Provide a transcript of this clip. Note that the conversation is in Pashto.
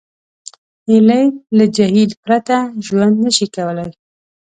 هیلۍ له جهیل پرته ژوند نشي کولی